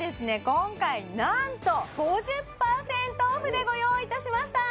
今回なんと５０％オフでご用意いたしました！